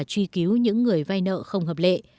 truy cứu những người vay nợ không hợp lệ